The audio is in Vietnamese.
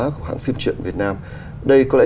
của hãng phim truyện việt nam đây có lẽ